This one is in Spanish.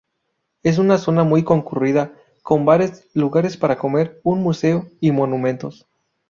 Es una zona muy concurrida, con bares, lugares para comer, un museo y monumentos.